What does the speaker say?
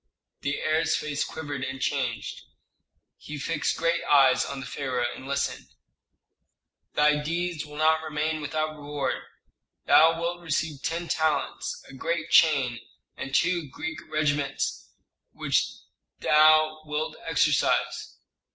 The heir's face quivered and changed. He fixed great eyes on the pharaoh and listened. "Thy deeds will not remain without reward. Thou wilt receive ten talents, a great chain, and two Greek regiments with which thou wilt exercise."